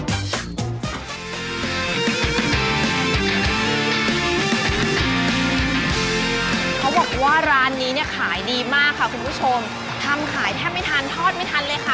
เขาบอกว่าร้านนี้เนี่ยขายดีมากค่ะคุณผู้ชมทำขายแทบไม่ทันทอดไม่ทันเลยค่ะ